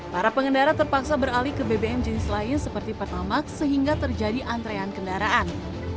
para pengendara terpaksa beralih ke bbm jenis lain seperti pertamak sehingga terjadi antrean kendaraan